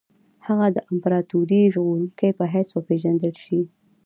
هغه د امپراطوري ژغورونکي په حیث وپېژندل شي.